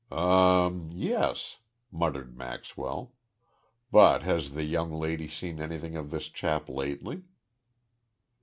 '" "Um, yes," muttered Maxwell, "but has the young lady seen anything of this chap lately?"